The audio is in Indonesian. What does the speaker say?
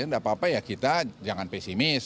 tidak apa apa ya kita jangan pesimis